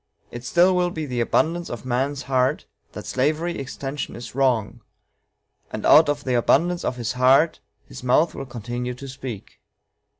It still will be the abundance of man's heart that slavery extension is wrong, and out of the abundance of his heart his mouth will continue to speak."